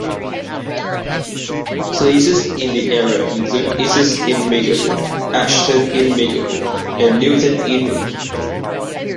Places in the area include Ince-in-Makerfield, Ashton-in-Makerfield and Newton-in-Makerfield.